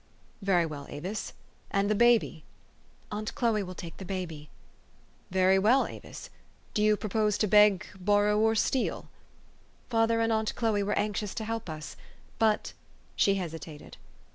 " Very well, Avis. And the baby? "" Aunt Chloe will take the baby." " Very well, Avis. Do you propose to beg, bor row, or steal? " "Father and aunt Chloe were anxious to help us. But " she hesitated.